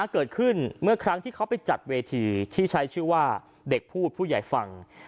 เกิดขึ้นเมื่อครั้งที่เขาไปจัดเวทีที่ใช้ชื่อว่าเด็กพูดผู้ใหญ่ฟัง